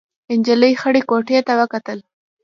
نجلۍ خړې کوټې ته وکتل.